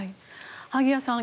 萩谷さん